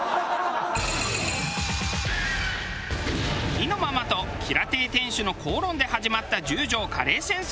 「ひ」のママと吉良亭店主の口論で始まった十条カレー戦争。